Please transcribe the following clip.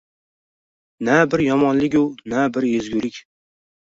Na bir yomonligu na bir ezgulik.